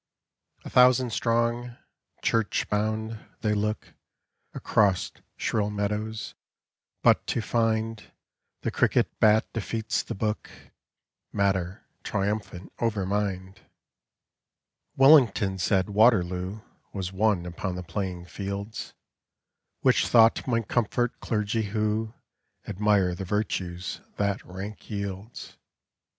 A thousand strong, church bound, they look Across shrill meadows but to find The cricket bat defeats tin — Matter triumphant over Mind ! 13 English Gothic. Wellington said Waterloo Was won upon the playing fields, Which thought might comfort clergy who Admire the virtues that rank yields.